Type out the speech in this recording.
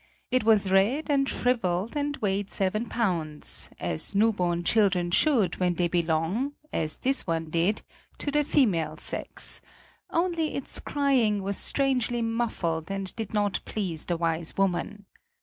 It was red and shrivelled and weighed seven pounds, as new born children should when they belong, as this one did, to the female sex; only its crying was strangely muffled and did not please the wise woman.